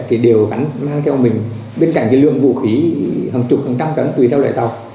thì đều gắn mang theo mình bên cạnh cái lượng vũ khí hàng chục hàng trăm tấn tùy theo loại tàu